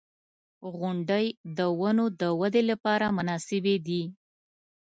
• غونډۍ د ونو د ودې لپاره مناسبې دي.